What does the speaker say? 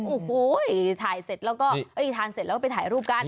โอ้โหถ่ายเสร็จแล้วก็ทานเสร็จแล้วก็ไปถ่ายรูปกัน